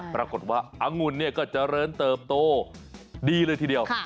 ปรากฏว่าอังุ่นก็เจริญเติบโตดีเลยทีเดียว